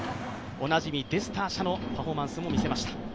おなじみのパフォーマンスも見せました。